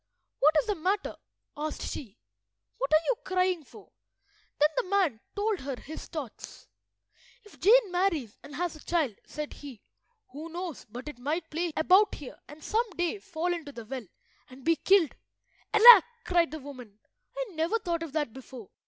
"What is the matter?" asked she. "What are you crying for?" Then the man told her his thoughts— "If Jane marries and has a child," said he, "who knows but it might play about here and some day fall into the well and be killed?" "Alack!" cried the woman, "I never thought of that before.